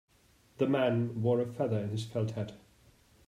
The man wore a feather in his felt hat.